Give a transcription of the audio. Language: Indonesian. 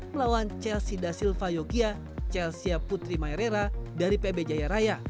melawan chelsea dasilva yogia chelsea putri mayerera dari pb jaya raya